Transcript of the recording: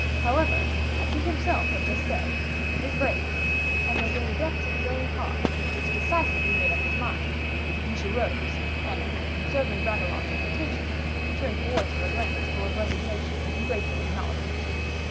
However, as he himself had just said, he was brave; and as in the depths of his own heart he had just decisively made up his mind, De Guiche arose, and, observing Bragelonne's hesitation, he turned towards him a glance full of resignation and grateful acknowledgement.